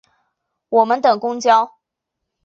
我们等公车